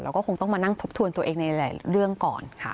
ก็ต้องคงต้องมานั่งทบทวนตัวเองในหลายเรื่องก่อนค่ะ